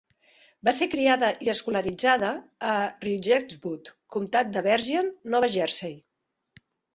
Va ser criada i escolaritzada a Ridgewood, comtat de Bergen, Nova Jersey.